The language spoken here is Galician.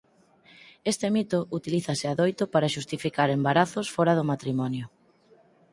Este mito utilízase adoito para xustificar embarazos fóra do matrimonio.